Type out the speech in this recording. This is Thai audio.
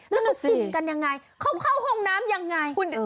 แล้วก็สินกันยังไงเข้าห้องน้ำยังไง